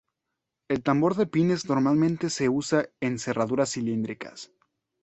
El tambor de pines normalmente se usa en cerraduras cilíndricas.